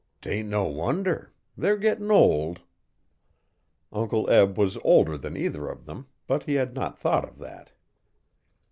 ''Tain't no wonder they're gittin' old.' Uncle Eb was older than either of them but he had not thought of that.